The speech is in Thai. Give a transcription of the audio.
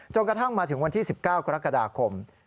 กระทั่งมาถึงวันที่๑๙กรกฎาคม